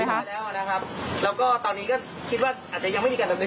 แล้วก็ตอนนี้ก็คิดว่าอาจจะยังไม่มีการดำนึงกับดีแซนนะครับ